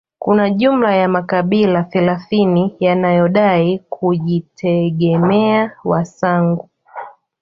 Kuna jumla ya makabila thelathini yanayodai kujitegemea Wasangu